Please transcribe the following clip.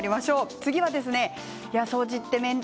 次は掃除って面倒